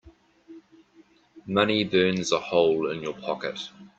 Money burns a hole in your pocket.